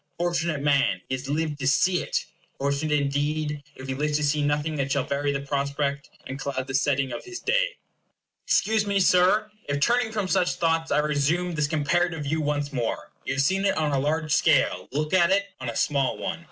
Fortunate man, he has lived to see it! Fortunate, indeed, if he lives to see nothing that shall vary the prospect, and cloud the setting of his day! Excuse me, Sir, if turning from such thoughts I resume this comparative view once more. You have seen it on a large scale; look at it on a small one.